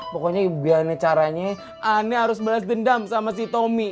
pokoknya biar ane caranya ane harus balas dendam sama si tommy